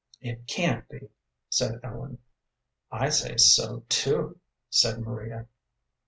"It can't be," said Ellen. "I say so, too," said Maria.